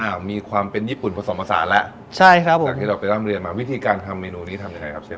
มีความเป็นญี่ปุ่นผสมผสานแล้วใช่ครับผมจากที่เราไปร่ำเรียนมาวิธีการทำเมนูนี้ทำยังไงครับเชฟ